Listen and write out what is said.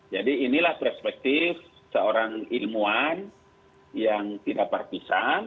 jadi inilah perspektif seorang ilmuwan yang tidak partisan